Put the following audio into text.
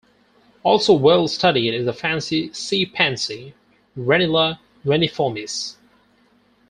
Also well studied is the fancy sea pansy, "Renilla reniformis".